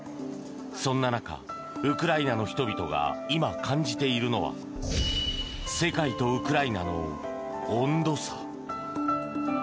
そんな中、ウクライナの人々が今、感じているのは世界とウクライナの温度差。